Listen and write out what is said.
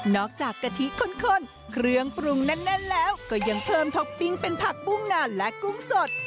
จากกะทิข้นเครื่องปรุงแน่นแล้วก็ยังเพิ่มท็อปปิ้งเป็นผักบุ้งนานและกุ้งสด